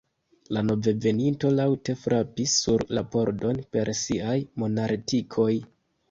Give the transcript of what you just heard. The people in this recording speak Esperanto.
La noveveninto laŭte frapis sur la pordon per siaj manartikoj.